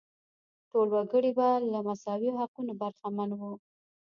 ټول وګړي به له مساوي حقونو برخمن وو.